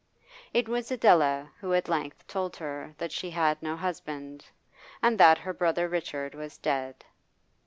It was Adela who at length told her that she had no husband, and that her brother Richard was dead.